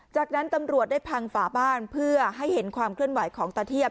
จากนั้นตำรวจได้พังฝาบ้านเพื่อให้เห็นความเคลื่อนไหวของตาเทียบ